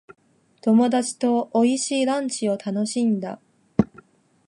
友達と美味しいランチを楽しんだ。